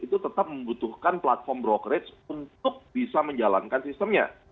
itu tetap membutuhkan platform brokrage untuk bisa menjalankan sistemnya